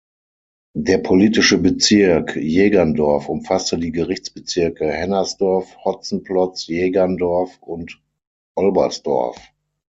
Der politische Bezirk Jägerndorf umfasste die Gerichtsbezirke Hennersdorf, Hotzenplotz, Jägerndorf und Olbersdorf.